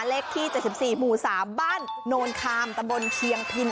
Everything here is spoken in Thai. เลขที่๗๔หมู่๓บ้านโนนคามตำบลเชียงพิน